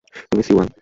তুমি, সিউয়ান।